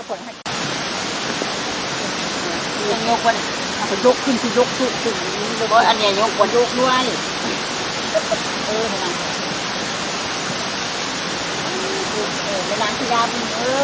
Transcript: ท่านคุณจะก่อนเที่ยวมาดู